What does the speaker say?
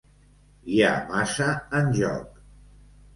Hi ha massa en joc.